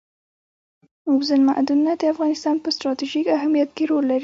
اوبزین معدنونه د افغانستان په ستراتیژیک اهمیت کې رول لري.